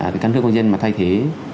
cái căn cức công dân mà thay thế